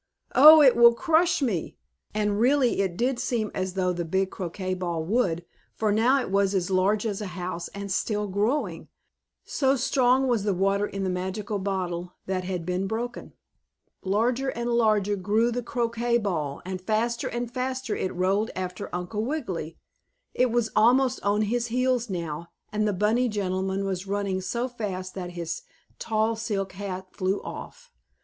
Oh, it will crush me!" And, really, it did seem as though the big croquet ball would, for now it was as large as a house and still growing, so strong was the water in the magical bottle that had been broken. Larger and larger grew the croquet ball, and faster and faster it rolled after Uncle Wiggily. It was almost on his heels now, and the bunny gentleman was running so fast that his tall silk hat flew off.